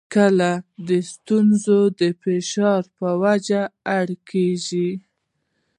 کله د ستونزو د فشار په وجه اړ کېږي.